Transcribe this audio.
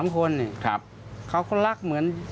คนเขาก็รักเหมือน